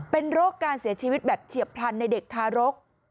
เป็นโรคการเสียชีวิตแบบเฉียบพลันในเด็กทารก